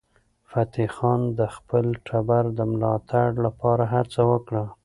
فتح خان د خپل ټبر د ملاتړ لپاره هڅه وکړه.